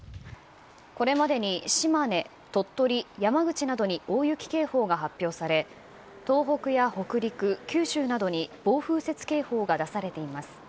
これまでに島根、鳥取、山口などに大雪警報が発表され東北や北陸、九州などに暴風雪警報が出されています。